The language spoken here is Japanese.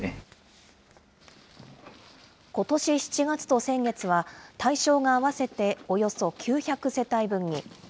ことし７月と先月は、対象が合わせておよそ９００世帯分に。